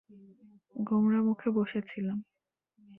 গোমরা মুখে বসে ছিলাম।